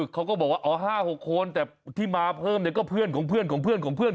เขาก็บอกว่า๕๖คนแต่ที่มาเพิ่มก็เพื่อนของเพื่อน